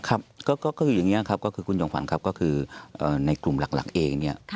ครับก็คืออย่างนี้ครับก็คือคุณจอมขวัญครับก็คือในกลุ่มหลักเองเนี่ย